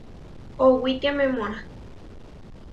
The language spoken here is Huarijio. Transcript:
Owítiamemua.